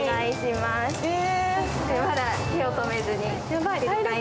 まだ手を止めずに。